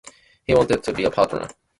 He wanted to be a partner.